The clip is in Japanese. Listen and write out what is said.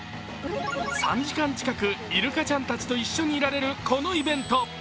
３時間近くイルカちゃんたちと一緒にいられるこのイベント。